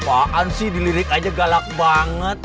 apaan sih di lirik aja galak banget